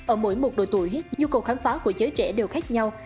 ở mỗi một độ tuổi nhu cầu khám phá của giới trẻ đều khác nhau